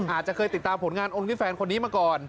อาจจะเคยติดตามผลงานองค์ที่แฟนคนนี้มาก่อน